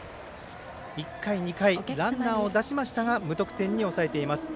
１回、２回とランナーを出しましたが無得点に抑えています。